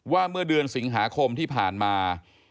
เมื่อเดือนสิงหาคมที่ผ่านมา